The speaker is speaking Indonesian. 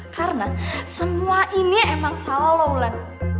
karena semua ini emang salah lu wulan